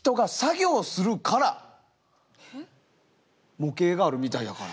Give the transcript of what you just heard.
模型があるみたいやから。